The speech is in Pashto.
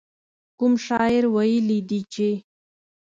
کوم شاعر ويلي دي چې.